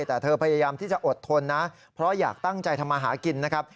แต่เธอพยายามที่จะอดทนนะเพราะอยากตั้งใจทำมาหากินนะครับ